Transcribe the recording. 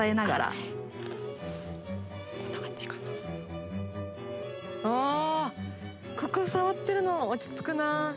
あここ触ってるの落ち着くな。